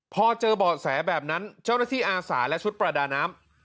พอเจอเบาะแสแบบนั้นเจ้าหน้าที่อาสาและชุดประดาน้ำ